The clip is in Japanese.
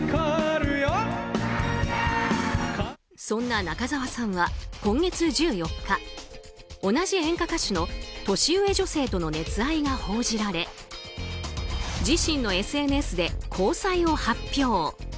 そんな中澤さんは今月１４日同じ演歌歌手の年上女性との熱愛が報じられ自身のＳＮＳで交際を発表。